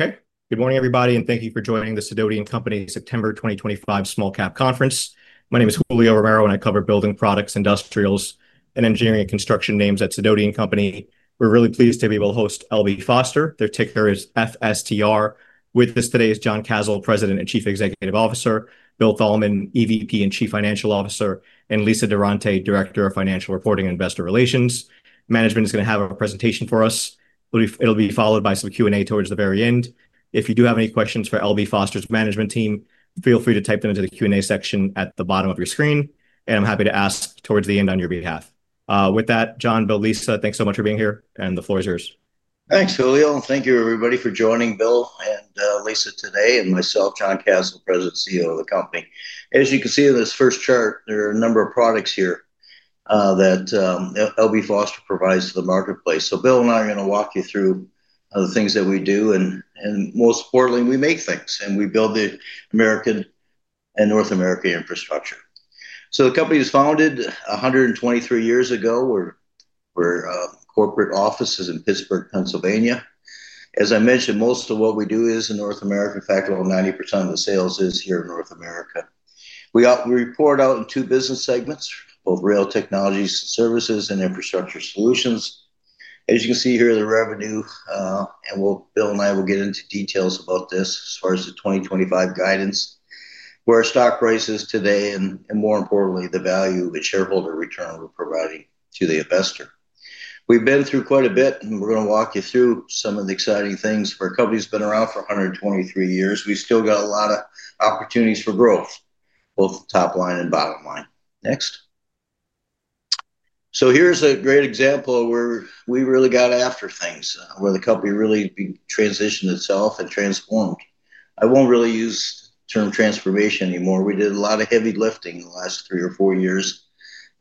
Okay, good morning everybody, and thank you for joining the Sidoti Company's September 2025 Small Cap Conference. My name is Julio Romero, and I cover building products, industrials, and engineering and construction names at Sidoti Company. We're really pleased to be able to host L.B. Foster. Their ticker is FSTR. With us today is John Kasel, President and Chief Executive Officer, Bill Thalman, Executive Vice President and Chief Financial Officer, and Lisa Durante, Director of Financial Reporting and Investor Relations. Management is going to have a presentation for us. It'll be followed by some Q&A towards the very end. If you do have any questions for L.B. Foster's management team, feel free to type them into the Q&A section at the bottom of your screen, and I'm happy to ask towards the end on your behalf. With that, John, Bill, Lisa, thanks so much for being here, and the floor is yours. Thanks, Julio. Thank you, everybody, for joining Bill and Lisa today, and myself, John Kasel, President and CEO of the company. As you can see in this first chart, there are a number of products here that L.B. Foster provides to the marketplace. Bill and I are going to walk you through the things that we do, and most importantly, we make things, and we build the American and North American infrastructure. The company was founded 123 years ago. We're a corporate office in Pittsburgh, Pennsylvania. As I mentioned, most of what we do is in North America. In fact, about 90% of the sales is here in North America. We report out in two business segments, both Rail Technologies and Services and Infrastructure Solutions. As you can see here, the revenue, and Bill and I will get into details about this as far as the 2025 guidance, where our stock price is today, and more importantly, the value of a shareholder return we're providing to the investor. We've been through quite a bit, and we're going to walk you through some of the exciting things. Our company's been around for 123 years. We've still got a lot of opportunities for growth, both top line and bottom line. Next. Here's a great example where we really got after things, where the company really transitioned itself and transformed. I won't really use the term transformation anymore. We did a lot of heavy lifting in the last three or four years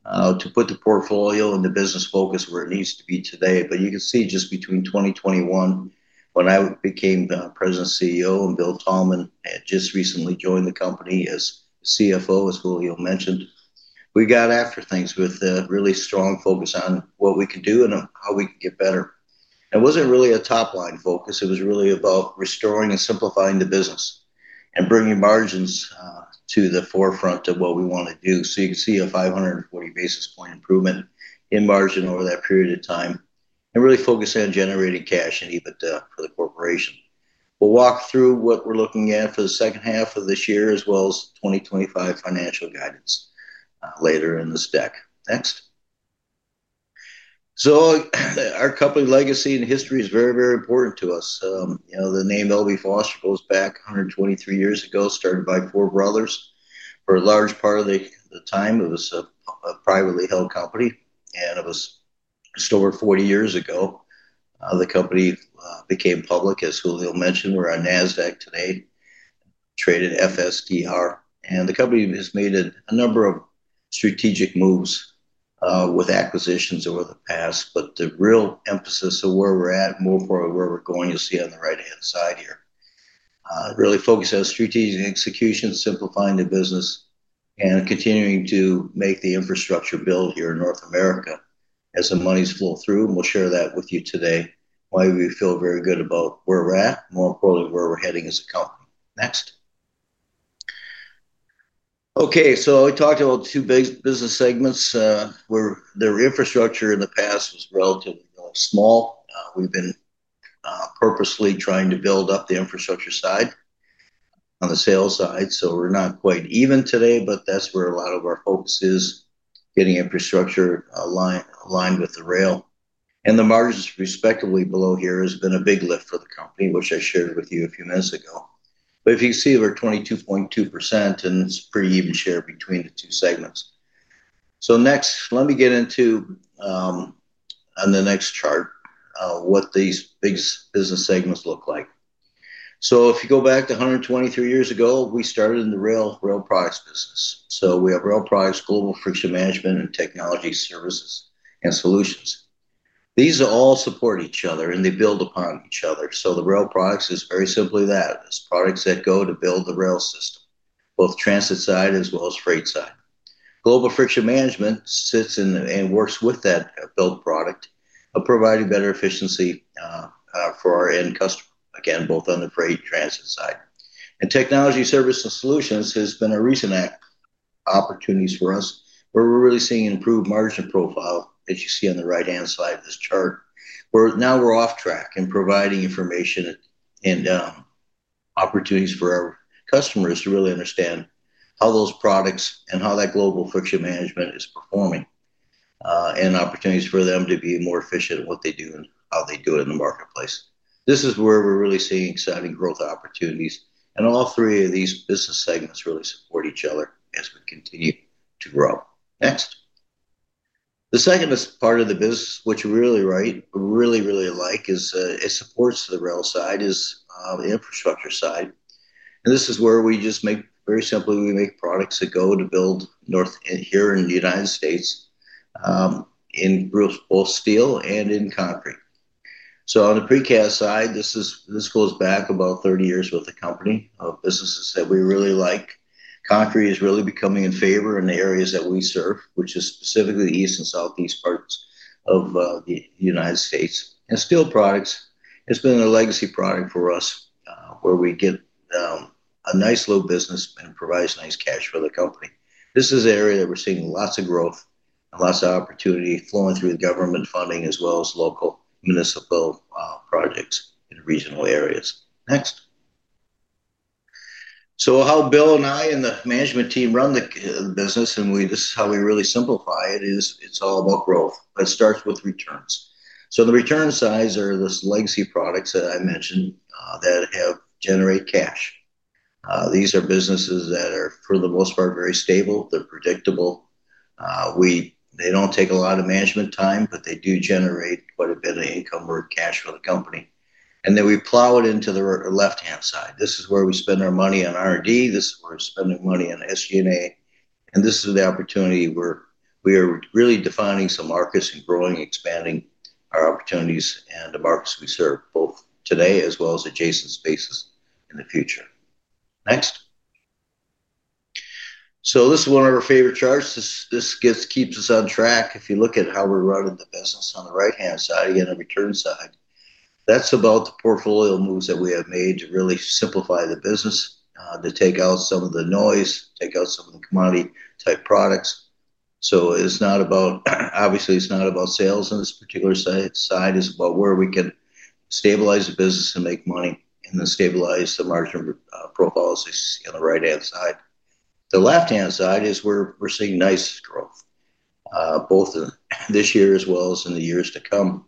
to put the portfolio and the business focus where it needs to be today. You can see just between 2021, when I became the President and CEO, and Bill Thalman had just recently joined the company as CFO, as Julio mentioned. We got after things with a really strong focus on what we could do and how we could get better. It wasn't really a top-line focus. It was really about restoring and simplifying the business and bringing margins to the forefront of what we want to do. You can see a 540 basis point improvement in margin over that period of time and really focusing on generating cash and EBITDA for the corporation. We'll walk through what we're looking at for the second half of this year, as well as the 2025 financial guidance later in this deck. Next. Our company legacy and history is very, very important to us. The name L.B. Foster goes back 123 years ago, started by four brothers. For a large part of the time, it was a privately held company, and it was restored 40 years ago. The company became public, as Julio mentioned. We're on NASDAQ today, traded FSTR, and the company has made a number of strategic moves with acquisitions over the past, but the real emphasis of where we're at, more importantly, where we're going, you'll see on the right-hand side here. Really focused on strategic execution, simplifying the business, and continuing to make the infrastructure build here in North America as the monies flow through, and we'll share that with you today. Why we feel very good about where we're at, more importantly, where we're heading as a company. Next. Okay, I talked about two big business segments, where their infrastructure in the past was relatively small. We've been purposely trying to build up the infrastructure side on the sales side, so we're not quite even today, but that's where a lot of our focus is, getting infrastructure aligned with the rail. The margins respectively below here have been a big lift for the company, which I shared with you a few minutes ago. If you can see, we're 22.2%, and it's a pretty even share between the two segments. Next, let me get into, on the next chart, what these big business segments look like. If you go back to 123 years ago, we started in the Rail Products business. We have Rail Products, Global Friction Management, and technology services and solutions. These all support each other, and they build upon each other. The Rail Products is very simply that. It's products that go to build the rail system, both transit side as well as freight side. Global Friction Management sits in and works with that build product of providing better efficiency for our end customer, again, both on the freight and transit side. Technology services and solutions has been a recent opportunity for us, where we're really seeing an improved margin profile, as you see on the right-hand side of this chart. Now we're off track in providing information and opportunities for our customers to really understand how those products and how that Global Friction Management is performing, and opportunities for them to be more efficient in what they do and how they do it in the marketplace. This is where we're really seeing exciting growth opportunities, and all three of these business segments really support each other as we continue to grow. Next. The second part of the business, which we really like, is it supports the rail side, is the infrastructure side. We just make, very simply, we make products that go to build north here in the United States, in both steel and in concrete. On the Precast Concrete side, this goes back about 30 years with the company of businesses that we really like. Concrete is really becoming a favor in the areas that we serve, which is specifically the east and southeast parts of the United States. Steel products have been a legacy product for us, where we get a nice low business and provide nice cash for the company. This is an area that we're seeing lots of growth and lots of opportunity flowing through the government funding, as well as local municipal projects in regional areas. How Bill and I and the management team run the business, and this is how we really simplify it, is it's all about growth. It starts with returns. The return sides are the legacy products that I mentioned that generate cash. These are businesses that are, for the most part, very stable. They're predictable. They don't take a lot of management time, but they do generate quite a bit of income or cash for the company. We plow it into the left-hand side. This is where we spend our money on R&D. This is where we're spending money on SG&A. This is an opportunity where we are really defining some markets and growing, expanding our opportunities and the markets we serve, both today as well as adjacent spaces in the future. This is one of our favorite charts. This keeps us on track. If you look at how we're running the business on the right-hand side, again, the return side, that's about the portfolio moves that we have made to really simplify the business, to take out some of the noise, take out some of the commodity-type products. It's not about sales on this particular side. It's about where we can stabilize the business and make money and then stabilize the margin profiles on the right-hand side. The left-hand side is where we're seeing nice growth, both in this year as well as in the years to come.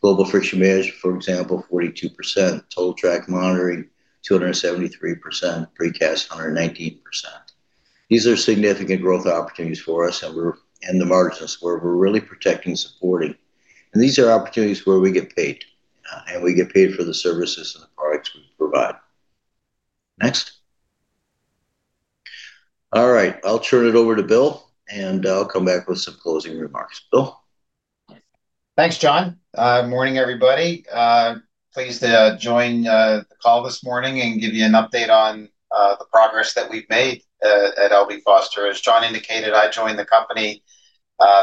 Global Friction Management, for example, 42%. Total Track Monitoring, 273%. Precast, 119%. These are significant growth opportunities for us, and we're in the margins where we're really protecting and supporting. These are opportunities where we get paid, and we get paid for the services and the products we provide. I'll turn it over to Bill, and I'll come back with some closing remarks. Bill. Thanks, John. Morning, everybody. Pleased to join the call this morning and give you an update on the progress that we've made at L.B. Foster Company. As John indicated, I joined the company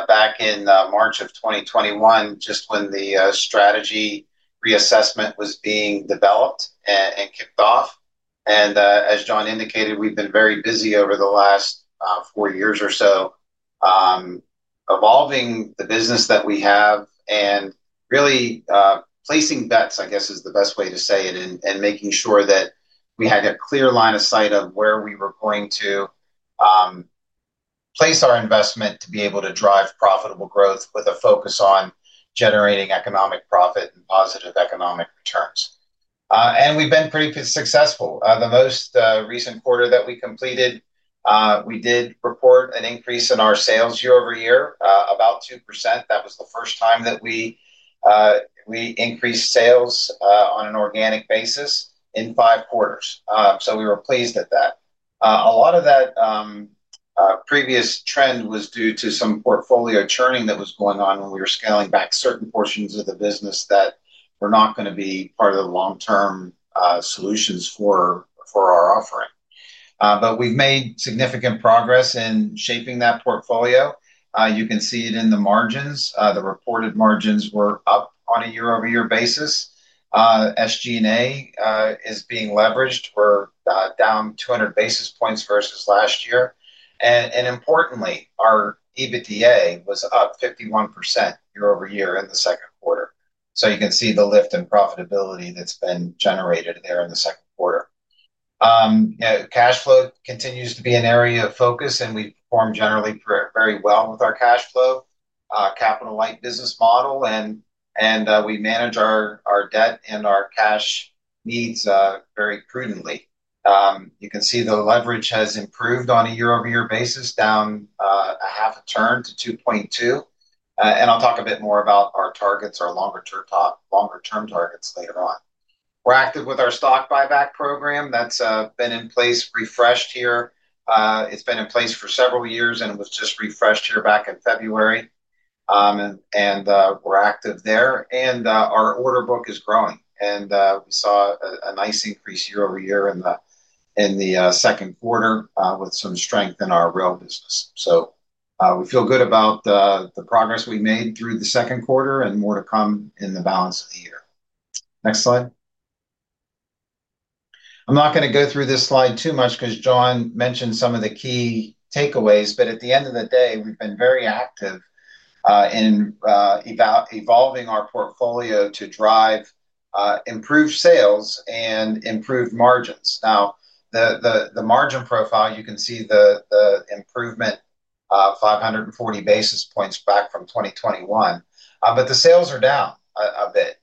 back in March of 2021, just when the strategy reassessment was being developed and kicked off. As John indicated, we've been very busy over the last four years or so, evolving the business that we have and really placing bets, I guess, is the best way to say it, and making sure that we had a clear line of sight of where we were going to place our investment to be able to drive profitable growth with a focus on generating economic profit and positive economic returns. We've been pretty successful. The most recent quarter that we completed, we did report an increase in our sales year over year, about 2%. That was the first time that we increased sales on an organic basis in five quarters. We were pleased at that. A lot of that previous trend was due to some portfolio churning that was going on when we were scaling back certain portions of the business that were not going to be part of the long-term solutions for our offering. We've made significant progress in shaping that portfolio. You can see it in the margins. The reported margins were up on a year-over-year basis. SG&A is being leveraged. We're down 200 basis points versus last year. Importantly, our EBITDA was up 51% year over year in the second quarter. You can see the lift in profitability that's been generated there in the second quarter. Cash flow continues to be an area of focus, and we perform generally very well with our cash flow, capital-light business model. We manage our debt and our cash needs very prudently. You can see the leverage has improved on a year-over-year basis, down a half a turn to 2.2. I'll talk a bit more about our targets, our longer-term targets later on. We're active with our stock buyback program that's been in place, refreshed here. It's been in place for several years, and it was just refreshed here back in February. We're active there. Our order book is growing. We saw a nice increase year over year in the second quarter with some strength in our rail business. We feel good about the progress we've made through the second quarter and more to come in the balance of the year. Next slide. I'm not going to go through this slide too much because John mentioned some of the key takeaways, but at the end of the day, we've been very active in evolving our portfolio to drive improved sales and improved margins. Now, the margin profile, you can see the improvement, 540 basis points back from 2021. The sales are down a bit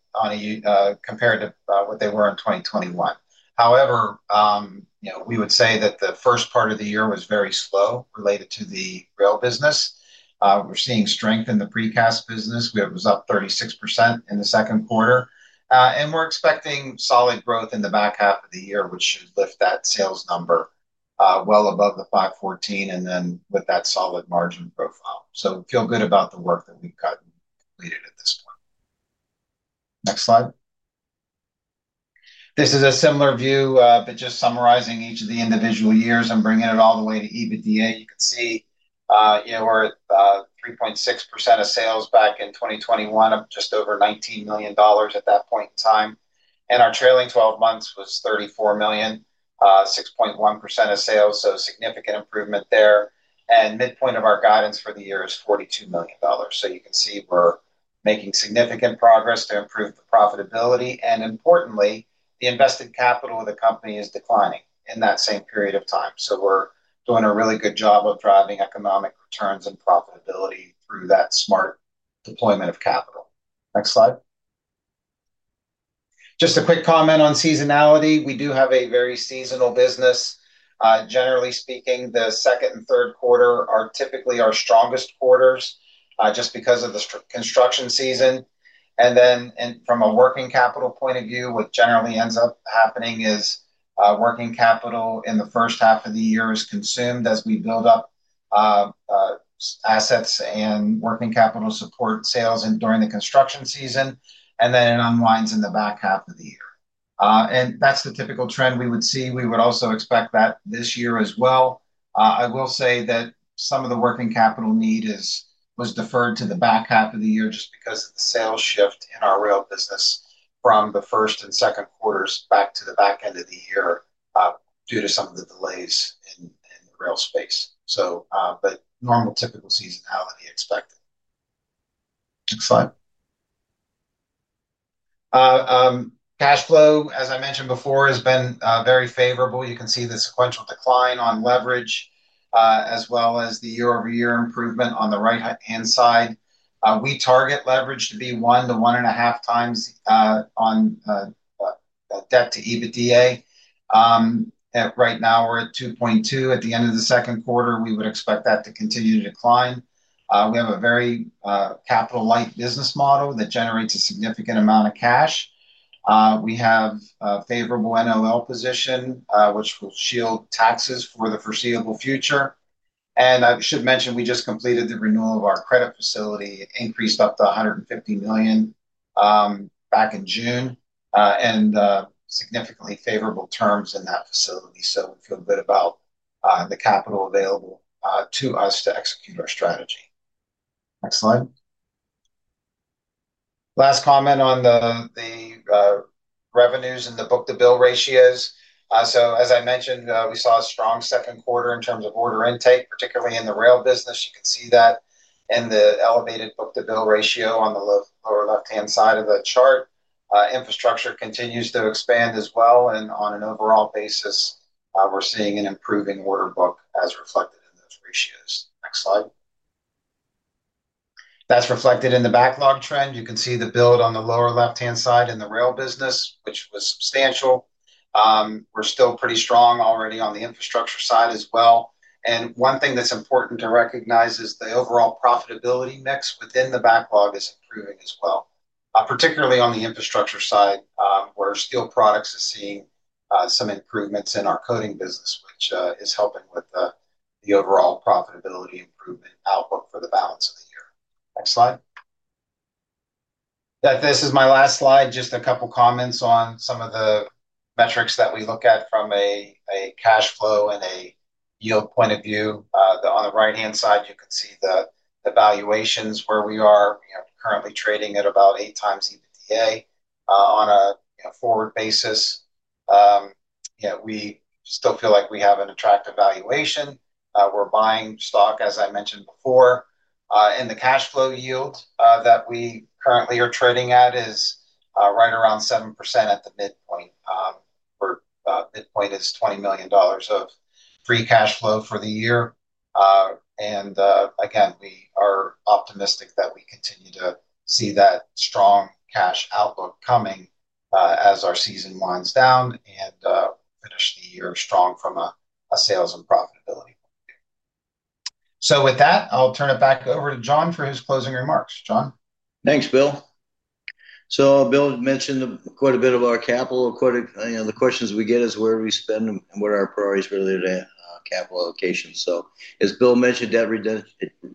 compared to what they were in 2021. However, we would say that the first part of the year was very slow related to the rail business. We're seeing strength in the Precast Concrete business. It was up 36% in the second quarter, and we're expecting solid growth in the back half of the year, which should lift that sales number well above the $514 million and then with that solid margin profile. We feel good about the work that we've got completed at this point. Next slide. This is a similar view, but just summarizing each of the individual years and bringing it all the way to EBITDA. You can see we're at 3.6% of sales back in 2021, just over $19 million at that point in time. Our trailing 12 months was $34 million, 6.1% of sales, so significant improvement there. Midpoint of our guidance for the year is $42 million. You can see we're making significant progress to improve the profitability. Importantly, the invested capital of the company is declining in that same period of time. We're doing a really good job of driving economic returns and profitability through that smart deployment of capital. Next slide. Just a quick comment on seasonality. We do have a very seasonal business. Generally speaking, the second and third quarter are typically our strongest quarters just because of the construction season. From a working capital point of view, what generally ends up happening is working capital in the first half of the year is consumed as we build up assets and working capital to support sales during the construction season, and then it unwinds in the back half of the year. That's the typical trend we would see. We would also expect that this year as well. I will say that some of the working capital need was deferred to the back half of the year just because of the sales shift in our rail business from the first and second quarters back to the back end of the year due to some of the delays in the rail space. Normal typical seasonality expected. Next slide. Cash flow, as I mentioned before, has been very favorable. You can see the sequential decline on leverage as well as the year-over-year improvement on the right-hand side. We target leverage to be one to one and a half times on debt/EBITDA. Right now, we're at 2.2. At the end of the second quarter, we would expect that to continue to decline. We have a very capital-light business model that generates a significant amount of cash. We have a favorable NOL position, which will shield taxes for the foreseeable future. I should mention we just completed the renewal of our credit facility and increased up to $150 million back in June and significantly favorable terms in that facility. We feel good about the capital available to us to execute our strategy. Next slide. Last comment on the revenues and the book-to-bill ratios. As I mentioned, we saw a strong second quarter in terms of order intake, particularly in the rail business. You can see that in the elevated book-to-bill ratio on the lower left-hand side of that chart. Infrastructure continues to expand as well. On an overall basis, we're seeing an improving order book as reflected in those ratios. Next slide. That's reflected in the backlog trend. You can see the build on the lower left-hand side in the rail business, which was substantial. We're still pretty strong already on the infrastructure side as well. One thing that's important to recognize is the overall profitability mix within the backlog is improving as well, particularly on the infrastructure side, where steel products are seeing some improvements in our coatings business, which is helping with the overall profitability improvement outlook for the balance of the year. Next slide. This is my last slide. Just a couple of comments on some of the metrics that we look at from a cash flow and a yield point of view. On the right-hand side, you can see the valuations where we are. We're currently trading at about eight times EBITDA on a forward basis. We still feel like we have an attractive valuation. We're buying stock, as I mentioned before. The cash flow yield that we currently are trading at is right around 7% at the midpoint. Our midpoint is $20 million of free cash flow for the year. Again, we are optimistic that we continue to see that strong cash outlook coming as our season winds down and finish the year strong from a sales and profitability. With that, I'll turn it back over to John for his closing remarks. John. Thanks, Bill. Bill had mentioned quite a bit about capital. The questions we get are where we spend and what our priorities are related to capital allocation. As Bill mentioned, every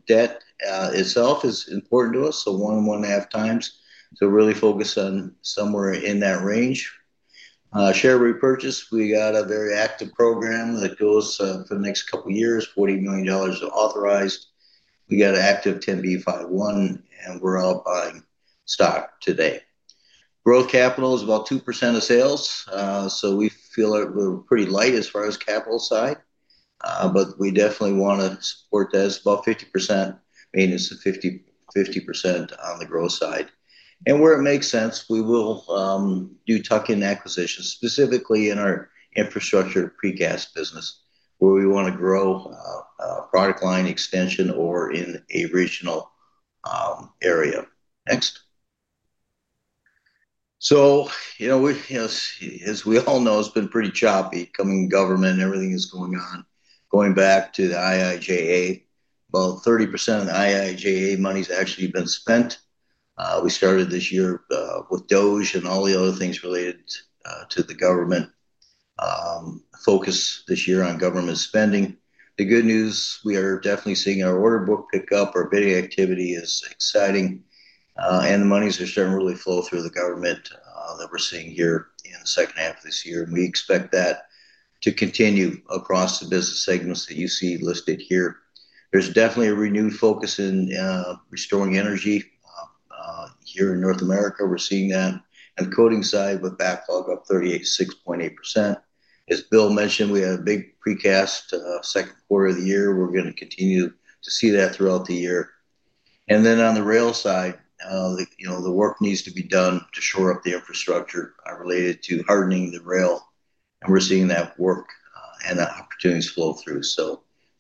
debt itself is important to us, so one and one and a half times. We really focus on somewhere in that range. Share repurchase, we got a very active program that goes for the next couple of years, $40 million authorized. We got an active 10B51, and we're out buying stock today. Growth capital is about 2% of sales. We feel that we're pretty light as far as capital side, but we definitely want to support that as about 50% maintenance and 50% on the growth side. Where it makes sense, we will do tuck-in acquisitions, specifically in our infrastructure Precast Concrete business, where we want to grow a product line extension or in a regional area. As we all know, it's been pretty choppy coming to government and everything that's going on. Going back to the IIJA, about 30% of the IIJA money has actually been spent. We started this year with DOJ and all the other things related to the government. Focus this year on government spending. The good news, we are definitely seeing our order book pick up. Our bidding activity is exciting. The monies are starting to really flow through the government that we're seeing here in the second half of this year. We expect that to continue across the business segments that you see listed here. There's definitely a renewed focus in restoring energy here in North America. We're seeing that. On the coatings side with backlog up 36.8%. As Bill mentioned, we had a big Precast Concrete second quarter of the year. We're going to continue to see that throughout the year. On the rail side, the work needs to be done to shore up the infrastructure related to hardening the rail. We're seeing that work and the opportunities flow through.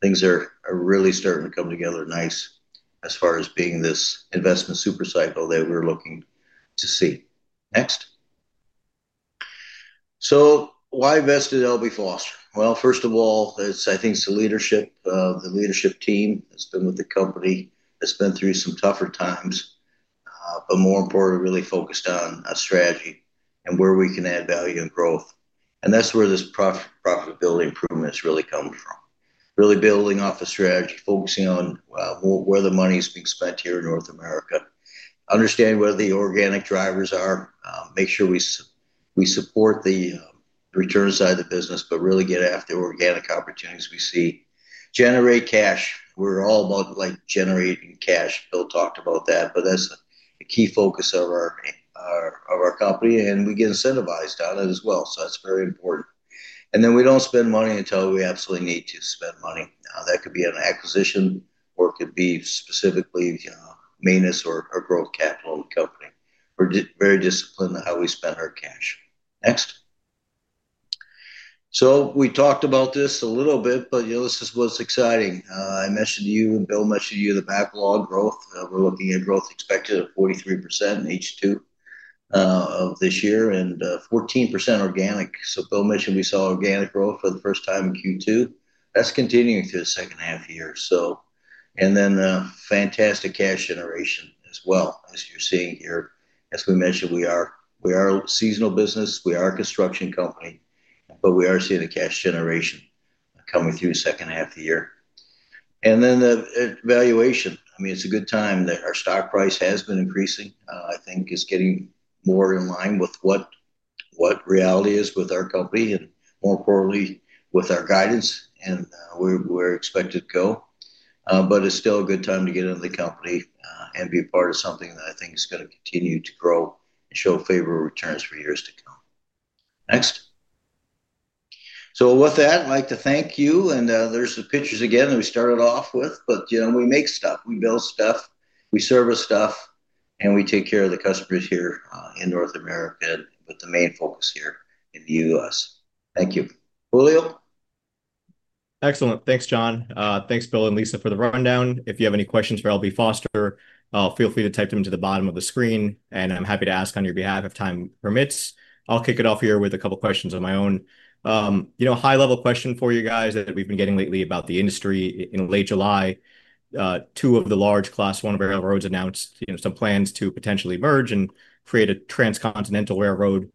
Things are really starting to come together nice as far as being this investment supercycle that we're looking to see. Why invest in L.B. Foster Company? First of all, I think it's the leadership. The leadership team that's been with the company has been through some tougher times, but more importantly, really focused on a strategy and where we can add value and growth. That's where this profitability improvement is really coming from. Really building off the strategy, focusing on where the money is being spent here in North America. Understand where the organic drivers are. Make sure we support the return side of the business, but really get after the organic opportunities we see. Generate cash. We're all about generating cash. Bill talked about that, but that's the key focus of our company, and we get incentivized on it as well. That's very important. We don't spend money until we absolutely need to spend money. That could be an acquisition or it could be specifically maintenance or growth capital in the company. We're very disciplined on how we spend our cash. Next. We talked about this a little bit, but this is what's exciting. I mentioned to you and Bill mentioned to you the backlog growth. We're looking at growth expected at 43% in H2 of this year and 14% organic. Bill mentioned we saw organic growth for the first time in Q2. That's continuing through the second half of the year. The fantastic cash generation as well, as you're seeing here. As we mentioned, we are a seasonal business. We are a construction company, but we are seeing the cash generation coming through the second half of the year. The valuation. I mean, it's a good time that our stock price has been increasing. I think it's getting more in line with what reality is with our company and more importantly, with our guidance and where we're expected to go. It's still a good time to get into the company and be a part of something that I think is going to continue to grow and show favorable returns for years to come. Next. With that, I'd like to thank you. There's the pictures again that we started off with, but we make stuff. We build stuff. We service stuff. We take care of the customers here in North America, but the main focus here in the U.S. Thank you. Julio? Excellent. Thanks, John. Thanks, Bill and Lisa, for the rundown. If you have any questions for L.B. Foster, feel free to type them to the bottom of the screen, and I'm happy to ask on your behalf if time permits. I'll kick it off here with a couple of questions on my own. You know, a high-level question for you guys that we've been getting lately about the industry. In late July, two of the large class one railroads announced some plans to potentially merge and create a transcontinental railroad.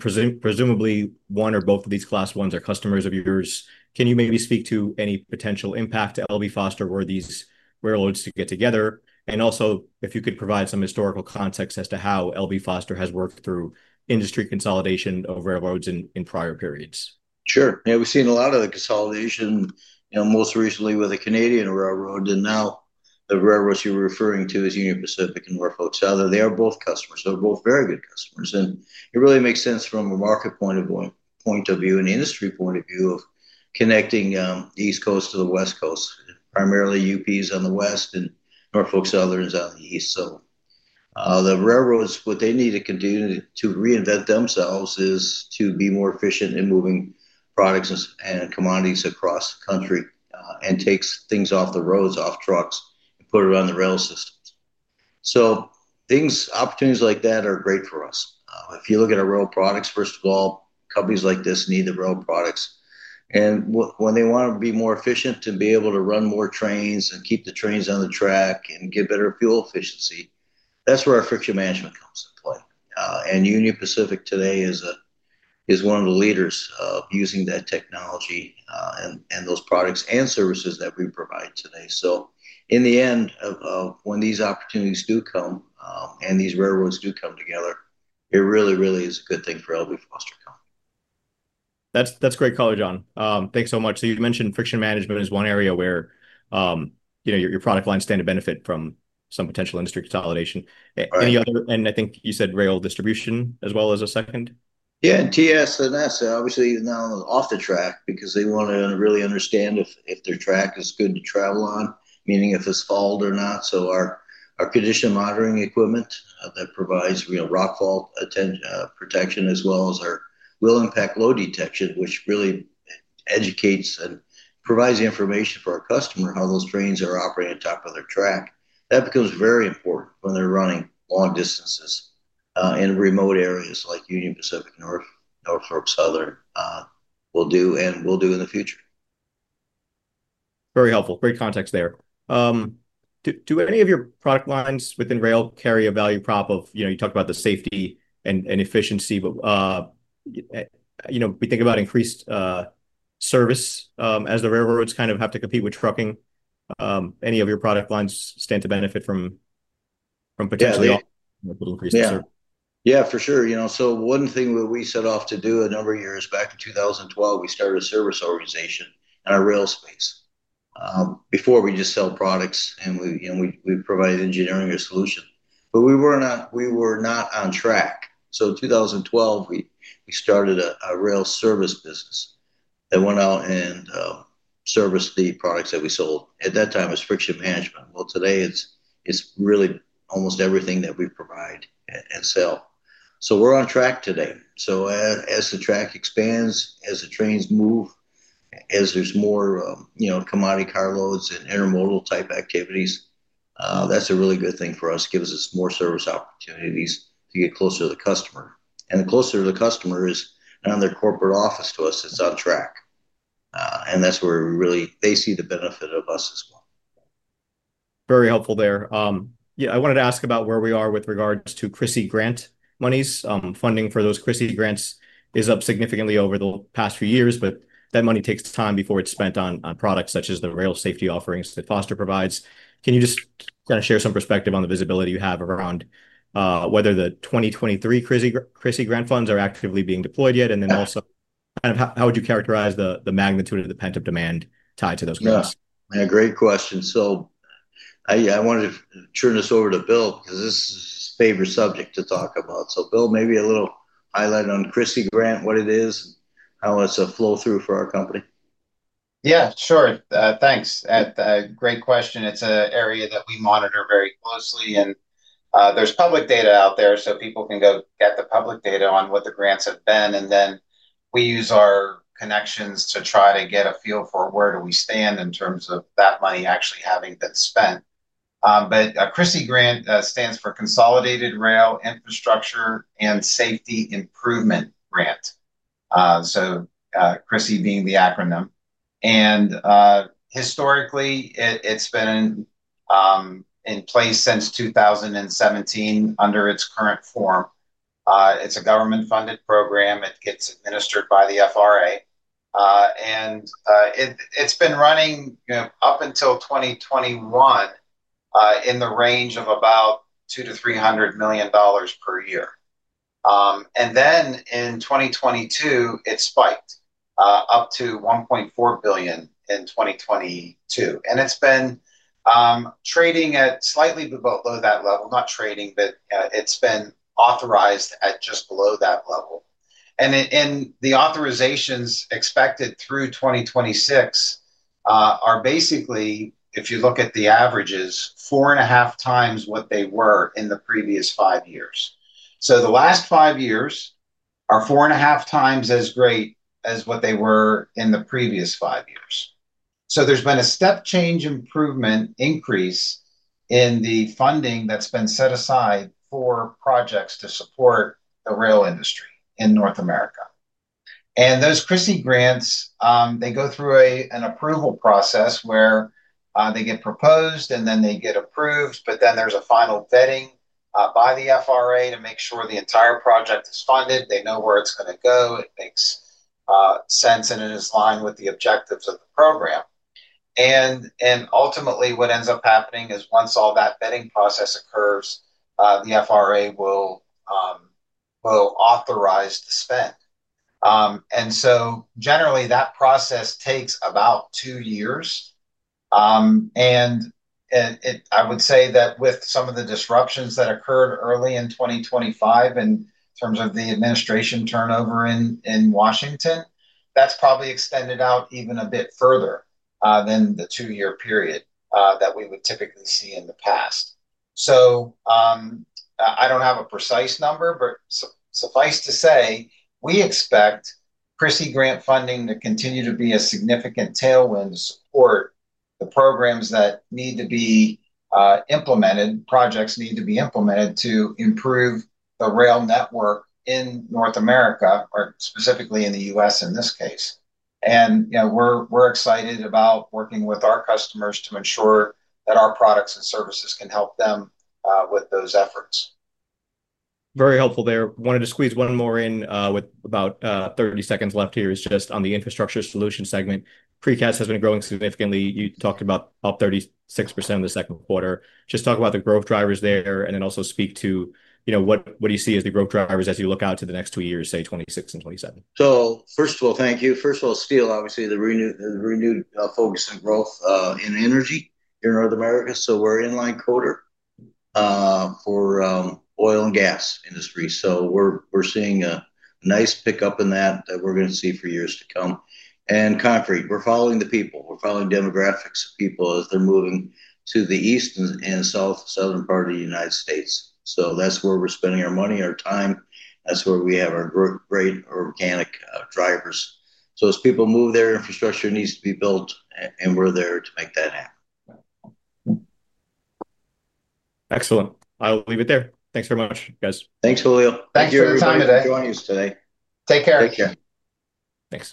Presumably, one or both of these class ones are customers of yours. Can you maybe speak to any potential impact to L.B. Foster where these railroads get together? Also, if you could provide some historical context as to how L.B. Foster has worked through industry consolidation of railroads in prior periods. Sure. Yeah, we've seen a lot of the consolidation, you know, most recently with the Canadian railroad. The railroads you're referring to are Union Pacific and Norfolk Southern. They are both customers. They're both very good customers. It really makes sense from a market point of view and industry point of view of connecting the East Coast to the West Coast. Primarily, Union Pacific is on the West and Norfolk Southern is on the East. The railroads, what they need to continue to reinvent themselves, is to be more efficient in moving products and commodities across the country and take things off the roads, off trucks, and put it on the rail systems. Opportunities like that are great for us. If you look at our Rail Products, first of all, companies like this need the Rail Products. When they want to be more efficient and be able to run more trains and keep the trains on the track and get better fuel efficiency, that's where our Friction Management comes into play. Union Pacific today is one of the leaders using that technology and those products and services that we provide today. In the end, when these opportunities do come and these railroads do come together, it really, really is a good thing for L.B. Foster Company. That's a great call, John. Thanks so much. You'd mentioned Friction Management is one area where your product lines stand to benefit from some potential industry consolidation. Any other, and I think you said rail distribution as well as a second? Yeah, and TSNS obviously is now off the track because they want to really understand if their track is good to travel on, meaning if it's fault or not. Our condition monitoring equipment that provides rockfall protection as well as our wheel impact load detection, which really educates and provides the information for our customer how those trains are operating on top of their track, becomes very important when they're running long distances in remote areas like Union Pacific North, Norfolk Southern will do and will do in the future. Very helpful. Great context there. Do any of your product lines within rail carry a value prop of, you know, you talked about the safety and efficiency, but, you know, we think about increased service as the railroads kind of have to compete with trucking. Any of your product lines stand to benefit from potentially increasing service? Yeah, for sure. You know, one thing that we set off to do a number of years back in 2012, we started a service organization in our rail space. Before, we just sell products and we provide engineering or solutions, but we were not on track. In 2012, we started a rail service business that went out and serviced the products that we sold. At that time, it was Friction Management. Today it's really almost everything that we provide and sell. We're on track today. As the track expands, as the trains move, as there's more commodity carloads and intermodal type activities, that's a really good thing for us. It gives us more service opportunities to get closer to the customer. Closer to the customer is another corporate office to us that's on track. That's where we really, they see the benefit of us as well. Very helpful there. I wanted to ask about where we are with regards to CRISI Grant monies. Funding for those CRISI Grants is up significantly over the past few years, but that money takes time before it's spent on products such as the rail safety offerings that L.B. Foster Company provides. Can you just kind of share some perspective on the visibility you have around whether the 2023 CRISI Grant funds are actively being deployed yet? Also, how would you characterize the magnitude of the pent-up demand tied to those funds? Yes, great question. I wanted to turn this over to Bill because this is his favorite subject to talk about. Bill, maybe a little highlight on CRISI Grant program, what it is, how it's a flow-through for our company. Yeah, sure. Thanks. Great question. It's an area that we monitor very closely, and there's public data out there, so people can go get the public data on what the grants have been. We use our connections to try to get a feel for where do we stand in terms of that money actually having been spent. CRISI Grant stands for Consolidated Rail Infrastructure and Safety Improvements Grant, so CRISI being the acronym. Historically, it's been in place since 2017 under its current form. It's a government-funded program. It gets administered by the FRA, and it's been running up until 2021 in the range of about $200 million to $300 million per year. In 2022, it spiked up to $1.4 billion in 2022, and it's been authorized at just below that level. The authorizations expected through 2026 are basically, if you look at the averages, four and a half times what they were in the previous five years. The last five years are four and a half times as great as what they were in the previous five years. There has been a step change improvement increase in the funding that's been set aside for projects to support the rail industry in North America. Those CRISI Grants go through an approval process where they get proposed and then they get approved, but then there's a final vetting by the FRA to make sure the entire project is funded, they know where it's going to go, it makes sense, and it is in line with the objectives of the program. Ultimately, what ends up happening is once all that vetting process occurs, the FRA will authorize the spend. Generally, that process takes about two years. I would say that with some of the disruptions that occurred early in 2025 in terms of the administration turnover in Washington, that's probably extended out even a bit further than the two-year period that we would typically see in the past. I don't have a precise number, but suffice to say, we expect CRISI Grant funding to continue to be a significant tailwind to support the programs that need to be implemented, projects need to be implemented to improve the rail network in North America, or specifically in the U.S. in this case. We're excited about working with our customers to ensure that our products and services can help them with those efforts. Very helpful there. Wanted to squeeze one more in with about 30 seconds left here, is just on the Infrastructure Solutions segment. Precast has been growing significantly. You talked about up 36% in the second quarter. Just talk about the growth drivers there, and then also speak to, you know, what do you see as the growth drivers as you look out to the next two years, say 2026 and 2027? Thank you. First of all, steel, obviously, the renewed focus and growth in energy here in North America. We're in line quarter for oil and gas industry. We're seeing a nice pickup in that that we're going to see for years to come. Concrete, we're following the people. We're following demographics of people as they're moving to the east and south to the southern part of the United States. That's where we're spending our money, our time. That's where we have our great organic drivers. As people move there, infrastructure needs to be built, and we're there to make that happen. Excellent. I'll leave it there. Thanks very much, guys. Thanks, Julio. Thanks for your time today. Thanks for joining us today. Take care. Take care. Thanks.